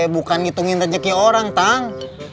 bukan ngitungin rezeki orang tang